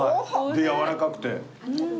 でやわらかくて。